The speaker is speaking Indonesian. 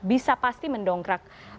bisa pasti mendongkrak